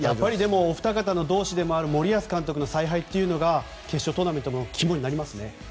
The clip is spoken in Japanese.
お二方の同志である森保監督の采配っていうのが決勝トーナメントの肝になりますね。